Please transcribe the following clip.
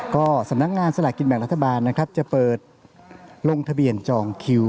ก็สำนักงานสลากกินแบ่งรัฐบาลนะครับจะเปิดลงทะเบียนจองคิว